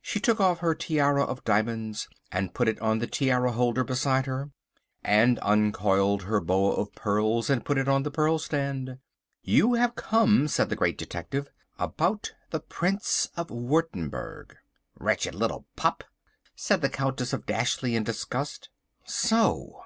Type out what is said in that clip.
She took off her tiara of diamonds and put it on the tiara holder beside her and uncoiled her boa of pearls and put it on the pearl stand. "You have come," said the Great Detective, "about the Prince of Wurttemberg." "Wretched little pup!" said the Countess of Dashleigh in disgust. So!